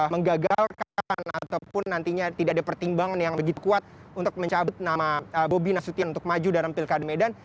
menggagalkan ataupun nantinya tidak ada pertimbangan yang begitu kuat untuk mencabut nama bobi nasution untuk maju dalam pilkada medan